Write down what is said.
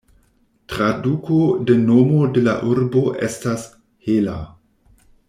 Traduko de nomo de la urbo estas "hela".